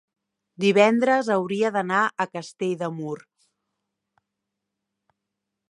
divendres hauria d'anar a Castell de Mur.